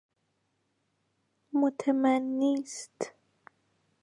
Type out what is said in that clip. متمنی است...